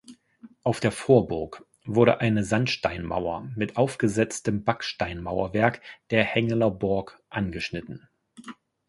Auf der Vorburg wurde eine Sandsteinmauer mit aufgesetztem Backsteinmauerwerk der "Hengelerborg" angeschnitten.